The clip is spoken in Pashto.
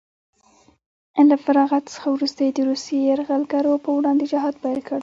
له فراغت څخه وروسته یې د روسیې یرغلګرو په وړاندې جهاد پیل کړ